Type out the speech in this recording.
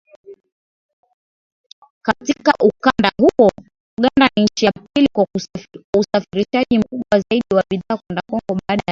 Katika ukanda huo Uganda ni nchi ya pili kwa usafirishaji mkubwa zaidi wa bidhaa kwenda Kongo baada ya Rwanda